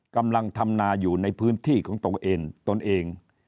กำลังธรรมนาอยู่ในพื้นที่ของตนเอง